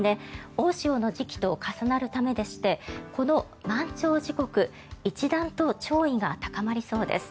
大潮の時期と重なるためでしてこの満潮時刻一段と潮位が高まりそうです。